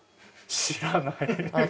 知らない。